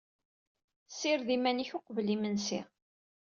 Ssired iman ik uqbel imensi.